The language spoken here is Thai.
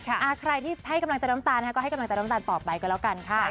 ใครที่ให้กำลังจะดนตาลก็ให้กำลังจะดนตาลต่อไปกันแล้วกันค่ะ